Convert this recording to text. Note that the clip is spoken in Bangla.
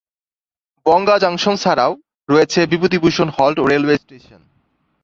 বনগাঁ জংশন ছাড়াও রয়েছে বিভূতিভূষণ হল্ট রেলওয়ে স্টেশন।